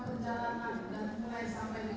perjalanan dan mulai sampai